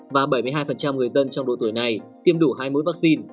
và bảy mươi hai người dân trong độ tuổi này tiêm đủ hai mũi vaccine